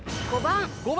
５番。